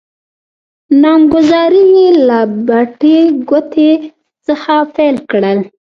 نامګذارې يې له بټې ګوتې څخه پیل کړل.